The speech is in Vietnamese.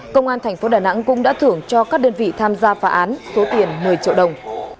công an thành phố đà nẵng cũng đã thưởng cho các đơn vị tham gia phá án số tiền một mươi triệu đồng